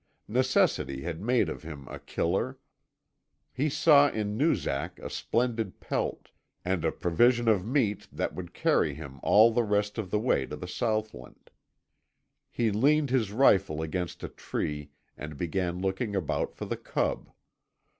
Necessity had made of him a killer. He saw in Noozak a splendid pelt, and a provision of meat that would carry him all the rest of the way to the southland. He leaned his rifle against a tree and began looking about for the cub.